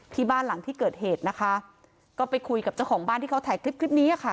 ที่บ้านหลังที่เกิดเหตุนะคะก็ไปคุยกับเจ้าของบ้านที่เขาถ่ายคลิปคลิปนี้อ่ะค่ะ